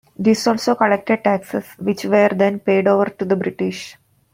These also collected taxes, which were then paid over to the British.